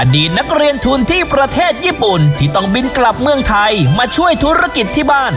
ดีตนักเรียนทุนที่ประเทศญี่ปุ่นที่ต้องบินกลับเมืองไทยมาช่วยธุรกิจที่บ้าน